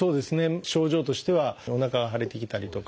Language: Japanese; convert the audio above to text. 症状としてはおなかが腫れてきたりとか。